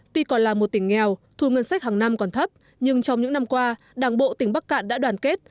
tuy còn là một tỉnh nghèo thu ngân sách hàng năm còn thấp nhưng trong những năm qua đảng bộ tỉnh bắc cạn đã đoàn kết